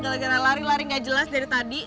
gara gara lari lari nggak jelas dari tadi